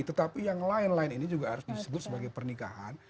tetapi yang lain lain ini juga harus disebut sebagai pernikahan